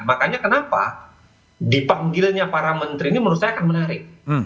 makanya kenapa dipanggilnya para menteri ini menurut saya akan menarik